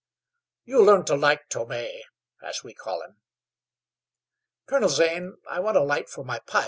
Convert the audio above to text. "You'll learn to like Tome, as we call him." "Colonel Zane, I want a light for my pipe.